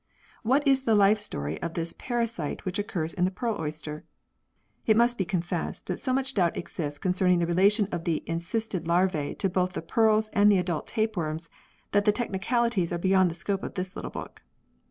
What is the life story of this parasite which occurs in the pearl oyster ? It must be confessed that so much doubt exists concerning the relation of the encysted larvae to both the pearls and the adult tapeworms that the technicalities are beyond the scope of this little book.